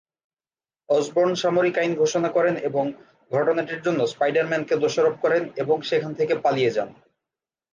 Osborne সামরিক আইন ঘোষণা করেন এবং ঘটনাটির জন্য স্পাইডার-ম্যান কে দোষারোপ করেন এবং সেখান থেকে পালিয়ে যান।